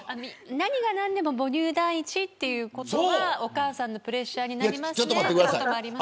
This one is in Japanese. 何が何でも母乳第一ということはお母さんのプレッシャーになるということもあります。